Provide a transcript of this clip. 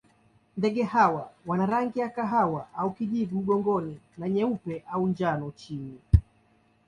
Ndege hawa wana rangi ya kahawa au kijivu mgongoni na nyeupe au njano chini.